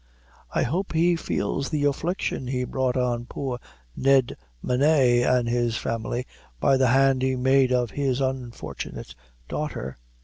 I hope he feels the affliction he brought on poor Ned Munay an' his family by the hand he made of his unfortunate daughter."